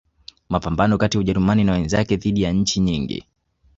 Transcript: Mapambano kati ya Ujerumani na wenzake dhidi ya nchi nyingi